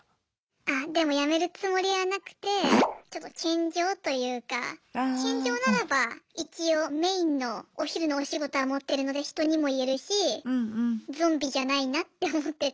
あでも辞めるつもりはなくてちょっと兼業というか兼業ならば一応メインのお昼のお仕事は持ってるので人にも言えるしゾンビじゃないなって思ってて